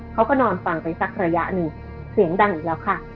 เขาก็นอนฟังไปสักระยะหนึ่งเสียงดังอีกแล้วค่ะ